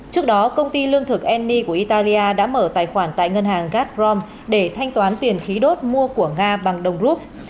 trước đó công ty lương thực anny của italia đã mở tài khoản tại ngân hàng gatrom để thanh toán tiền khí đốt mua của nga bằng đồng rút